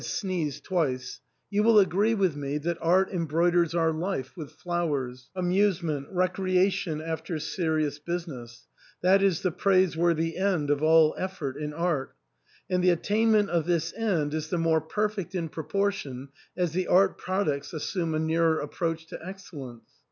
sneezed twice, "you will agree with me that art em broiders our life with flowers ; amusement, recreation after serious business — that is the praiseworthy end of all effort in art ; and the attainment of this end is the more perfect in proportion as the art products assume a nearer approach to excellence.